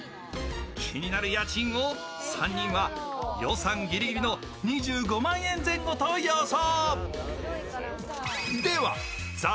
気になる家賃を３人は予算ギリギリの２５万円前後と予想。